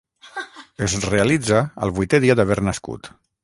Es realitza al vuitè dia d'haver nascut.